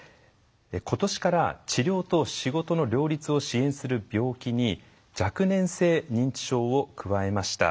今年から治療と仕事の両立を支援する病気に若年性認知症を加えました。